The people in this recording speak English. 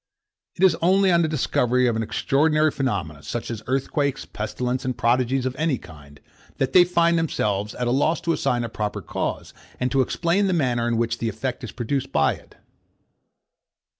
It is only on the discovery of extraordinary phaenomena, such as earthquakes, pestilence, and prodigies of any kind, that they find themselves at a loss to assign a proper cause, and to explain the manner in which the effect is produced by it.